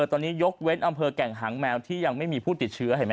ตอนนี้ยกเว้นอำเภอแก่งหางแมวที่ยังไม่มีผู้ติดเชื้อเห็นไหม